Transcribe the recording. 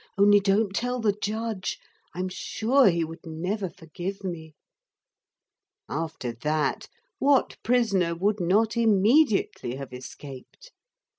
Only don't tell the judge. I am sure he would never forgive me.' After that, what prisoner would not immediately have escaped?